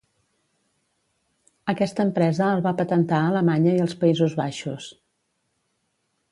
Aquesta empresa el va patentar a Alemanya i els Països Baixos.